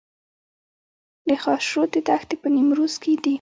د خاشرود دښتې په نیمروز کې دي